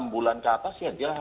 enam bulan keatas ya dia